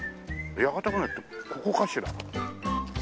屋形船ってここかしら？